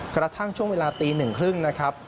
กระทั่งช่วงเวลาตี๑๓๐นะครับ